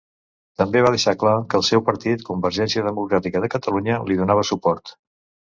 També va deixar clar que el seu partit, Convergència Democràtica de Catalunya, li donava suport.